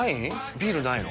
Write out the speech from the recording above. ビールないの？